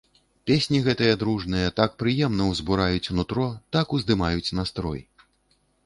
Песні гэтыя дружныя так прыемна ўзбураюць нутро, так уздымаюць настрой.